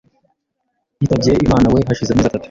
yitabye Imanawe hashize amezi atatu.